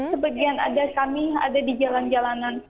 sebagian ada kami ada di jalan jalanan